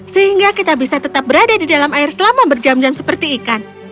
sehingga kita bisa tetap berada di dalam air selama berjam jam seperti ikan